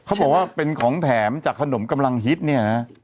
เขาบอกว่าเป็นของแถมจากขนมกำลังฮิตเนี่ยนะ